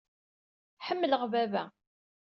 Ḥemmleɣ baba.